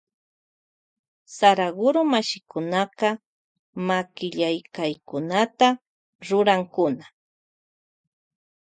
Saraguro mashikunaka makillamkaykunata rurankuna.